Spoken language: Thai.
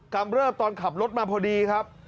เริ่มตอนขับรถมาพอดีครับ